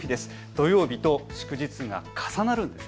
土曜日と祝日が重なるんです。